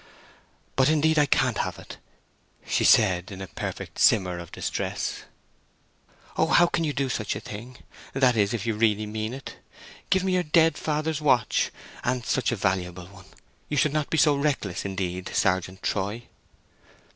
"But indeed I can't have it!" she said, in a perfect simmer of distress. "Oh, how can you do such a thing; that is if you really mean it! Give me your dead father's watch, and such a valuable one! You should not be so reckless, indeed, Sergeant Troy!"